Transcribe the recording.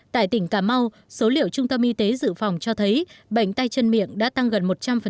tại tỉnh cà mau số liệu trung tâm y tế dự phòng cho thấy bệnh tay chân miệng đã tăng gần một trăm linh